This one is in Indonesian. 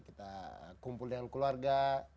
kita kumpul dengan keluarga